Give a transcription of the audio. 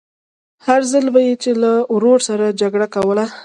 هر ځل به يې چې له ورور سره جګړه کوله.